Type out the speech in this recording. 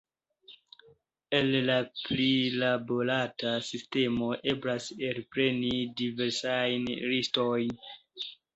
El la prilaborata sistemo eblas elpreni diversajn listojn.